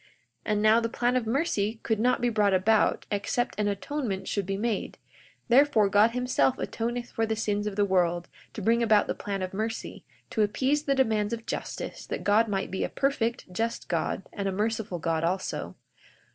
42:15 And now, the plan of mercy could not be brought about except an atonement should be made; therefore God himself atoneth for the sins of the world, to bring about the plan of mercy, to appease the demands of justice, that God might be a perfect, just God, and a merciful God also.